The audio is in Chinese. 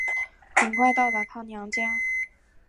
很快到达她娘家